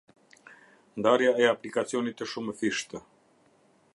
Ndarja e aplikacionit të shumëfishtë.